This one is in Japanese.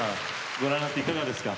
ご覧になっていかがですか？